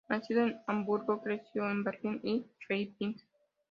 Nacido en Hamburgo, creció en Berlín y Leipzig.